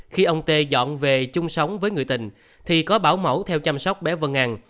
khi ông tê dọn về chung sống với người tình thì có bảo mẫu theo chăm sóc bé vân an